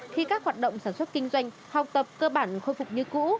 khi các hoạt động sản xuất kinh doanh học tập cơ bản khôi phục như cũ